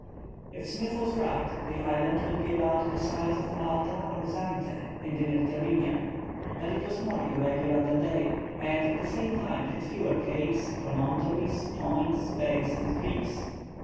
If Smith was right, the island would be about the size of Malta or Zante in the Mediterranean; but it was more irregular than they, and at the same time had fewer capes, promontories, points, bays, and creeks.